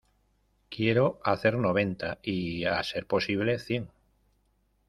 Quiero hacer noventa y, a ser posible, cien.